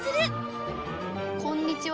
「こんにちは」